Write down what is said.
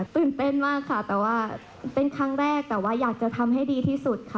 ตื่นเต้นมากค่ะแต่ว่าเป็นครั้งแรกแต่ว่าอยากจะทำให้ดีที่สุดค่ะ